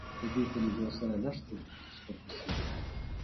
د دوی په لیدو سره لږ توپیر تر سترګو شي